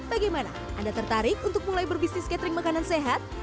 bagaimana anda tertarik untuk mulai berbisnis catering makanan sehat